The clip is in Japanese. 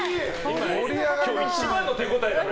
今日一番の手応えだろ。